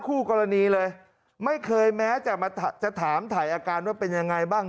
คู่กรณีเลยไม่เคยแม้จะมาจะถามถ่ายอาการว่าเป็นยังไงบ้าง